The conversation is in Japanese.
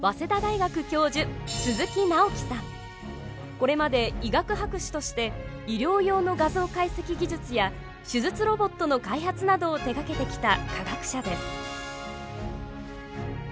これまで医学博士として医療用の画像解析技術や手術ロボットの開発などを手がけてきた科学者です。